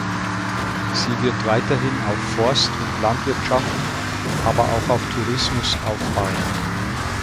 Sie wird weiterhin auf Forst- und Landwirtschaft, aber auch auf Tourismus aufbauen.